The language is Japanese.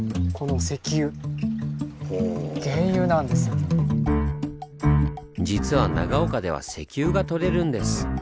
実は実は長岡では石油が採れるんです。